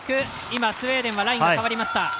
スウェーデンはラインが代わりました。